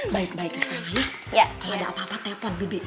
baik baik ya sayang aya kalau ada apa apa telepon bibi